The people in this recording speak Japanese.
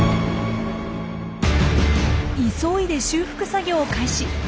急いで修復作業を開始。